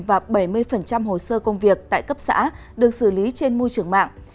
và bảy mươi hồ sơ công việc tại cấp xã được xử lý trên môi trường mạng